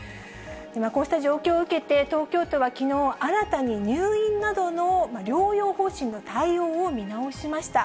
こうした状況を受けて、東京都はきのう、新たに入院などの療養方針の対応を見直しました。